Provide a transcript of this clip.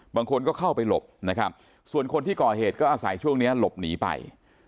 บางคนก็เข้าไปหลบนะครับส่วนคนที่ก่อเหตุก็อาศัยช่วงนี้หลบหนีไป